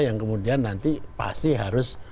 yang kemudian nanti pasti harus